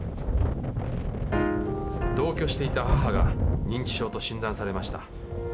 同居していた母が認知症と診断されました。